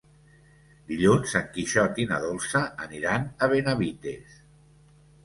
Dilluns en Quixot i na Dolça aniran a Benavites.